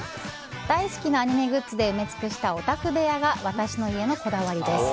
大好きなアニメグッズで埋め尽くしたオタク部屋が私の家のこだわりです。